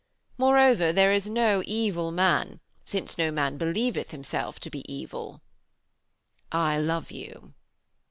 Moreover, there is no evil man, since no man believeth himself to be evil. I love you.'